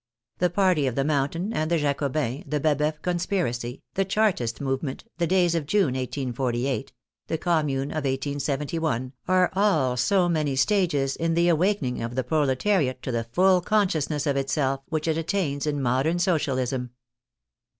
The party of the Mountain and the Jacobins, the Baboeuf conspiracy, the Chartist movement, the days of June, 1848, the Commune of 1 87 1, are all so many stages in the awakening of the proletariat to the full consciousness of itself which it attains in modern Socialism.